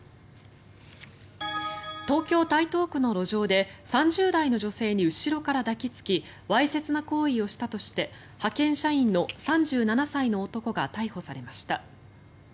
東京・台東区の路上で３０代の女性に後ろから抱きつきわいせつな行為をしたとして派遣社員の３７歳の男が逮捕されました。